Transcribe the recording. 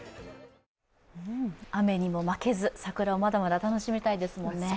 雨にも負けず、桜、まだまだ楽しみたいですもんね。